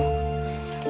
terima kasih nek